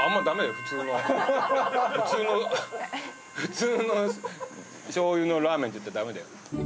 普通の普通の「普通の醤油のラーメン」って言っちゃダメだよ。